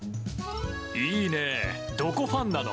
いいねどこファンなの？